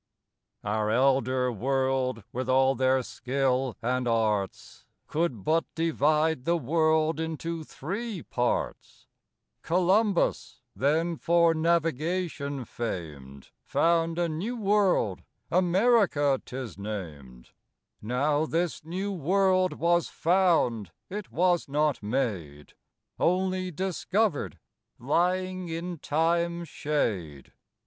Our Elder World, with all their Skill and Arts, Could but divide the World into three Parts: Columbus, then for Navigation fam'd, Found a new World, America 'tis nam'd; Now this new World was found, it was not made, Onely discovered, lying in Time's shade.